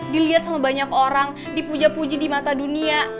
dilihat sama banyak orang dipuja puji di mata dunia